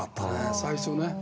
最初ね。